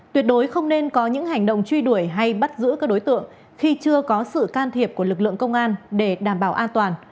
tuyệt đối không nên có những hành động truy đuổi hay bắt giữ các đối tượng khi chưa có sự can thiệp của lực lượng công an để đảm bảo an toàn